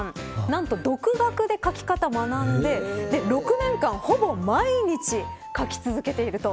何と、独学で描き方を学んで６年間、ほぼ毎日描き続けていると。